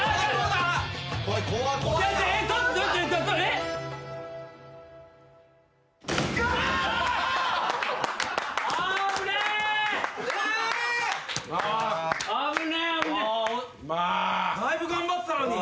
だいぶ頑張ってたのに。